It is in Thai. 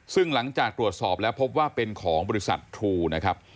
ซึ่งหลังจากตรวจสอบแล้วพบว่าเป็นของบริษัททรูนะครับ